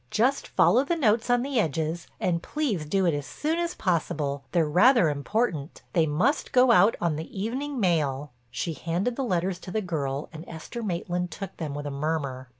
Just follow the notes on the edges, and please do it as soon as possible—they're rather important. They must go out on the evening mail." She handed the letters to the girl and Esther Maitland took them with a murmur.